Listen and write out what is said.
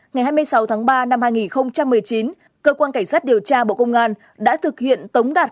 ngày hai mươi sáu tháng ba năm hai nghìn một mươi chín cơ quan cảnh sát điều tra bộ công an đã thực hiện tống đạt